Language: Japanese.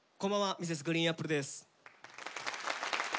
Ｍｒｓ．ＧＲＥＥＮＡＰＰＬＥです。